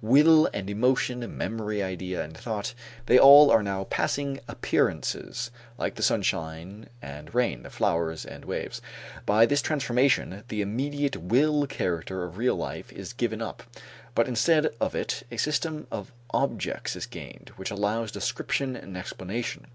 Will and emotion, memory idea and thought they all are now passing appearances like the sunshine and rain, the flowers and waves. By this transformation the immediate will character of real life is given up, but instead of it a system of objects is gained, that allows description and explanation.